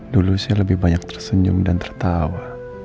dulu saya lebih banyak tersenyum dan tertawa